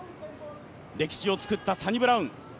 歴史を作ったサニブラウン。